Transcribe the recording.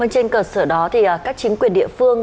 trên cơ sở đó thì các chính quyền địa phương